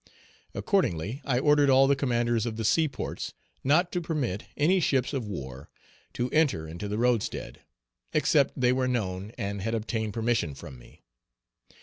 Accordingly, I ordered all the commanders of the sea ports not to permit any ships of war to enter into the roadstead, except they were known and had obtained permission from me.